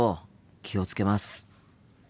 気を付けます。